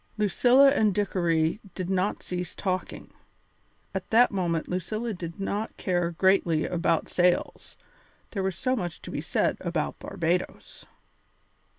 Lucilla and Dickory did not cease talking. At that moment Lucilla did not care greatly about sails, there was so much to be said about Barbadoes.